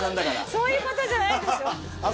そういうことじゃない？